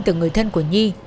từ người thân của nhi